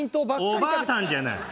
おばあさんじゃない。